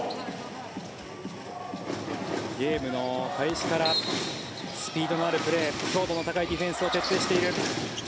ゲームの開始からスピードのあるプレー強度の高いディフェンスを徹底している。